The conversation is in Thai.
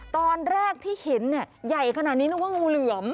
ตอนแรกที่เห็นใหญ่ขนาดนี้นึกว่างูเหลือม